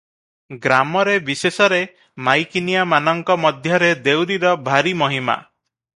ଗ୍ରାମରେ ବିଶେଷରେ ମାଇକିନିଆମାନଙ୍କ ମଧ୍ୟରେ ଦେଉରୀର ଭାରି ମହିମା ।